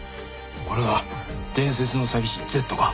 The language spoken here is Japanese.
これが伝説の詐欺師Ｚか？